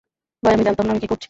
ভাই আমি জানতাম না আমি কি করছি।